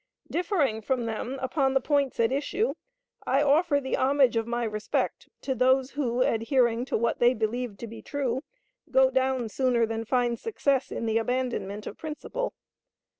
Differing from them upon the points at issue, I offer the homage of my respect to those who, adhering to what they believed to be true, go down sooner than find success in the abandonment of principle.